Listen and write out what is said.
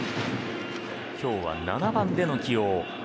今日は７番での起用。